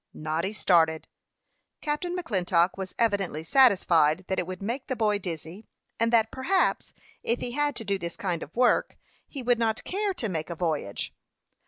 Noddy started. Captain McClintock was evidently satisfied that it would make the boy dizzy; and that, perhaps, if he had to do this kind of work, he would not care to make a voyage.